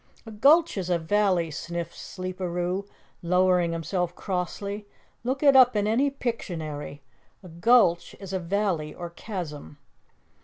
"A gulch is a valley," sniffed Sleeperoo, lowering himself crossly. "Look it up in any pictionary. A gulch is a valley or chasm."